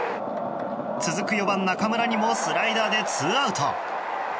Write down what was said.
続く４番、中村にもスライダーでツーアウト。